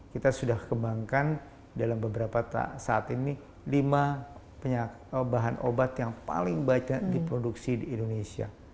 kita sudah kembangkan dalam beberapa saat ini lima bahan obat yang paling banyak diproduksi di indonesia